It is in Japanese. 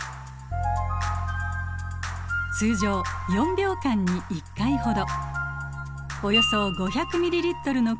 通常４秒間に１回ほど。